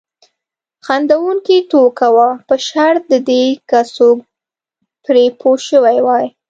خندونکې ټوکه وه په شرط د دې که څوک پرې پوه شوي وای.